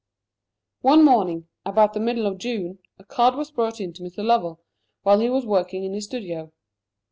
One morning, about the middle of June, a card was brought in to Mr. Lovell, while he was working in his studio.